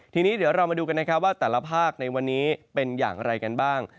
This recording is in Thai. ทีนี้เดี๋ยวเรามาดูกันนะครับว่าแต่ละภาคในวันนี้เป็นอย่างไรกันบ้าง